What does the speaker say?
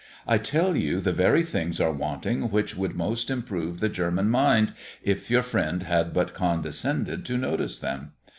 I tell you the very things are wanting which would most improve the German mind, if your friend had but condescended to notice them.